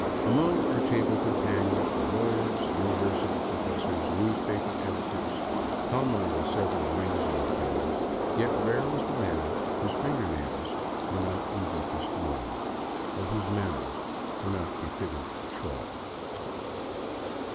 Among our table companions were lawyers, university professors, newspaper editors, commonly with several rings on their fingers; yet rare was the man whose finger nails were not in deepest mourning, or whose manners were not befitting a trough.